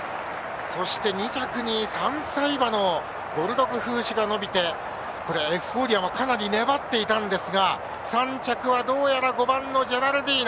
そして、２着に３歳馬のボルドグフーシュが伸びてエフフォーリアはかなり粘っていたんですが３着はどうやら５番、ジェラルディーナ。